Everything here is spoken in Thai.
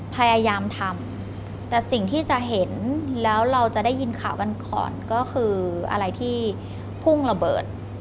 พยายามทำแต่สิ่งที่จะเห็นแล้วเราจะได้ยินข่าวกันก่อนก็คืออะไรที่พุ่งระเบิด